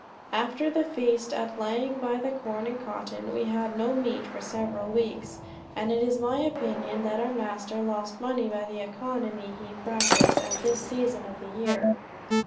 After the feast at laying by the corn and cotton, we had no meat for several weeks; and it is my opinion that our master lost money by the economy he practised at this season of the year.